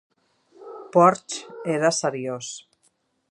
Porsche era seriós.